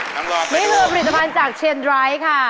นี่มีประหลาดผลิตภาพจากเชียนฉะนั้นค่ะ